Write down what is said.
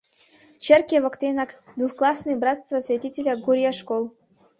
Черке воктенак — двухклассный братства святителя Гурия школ.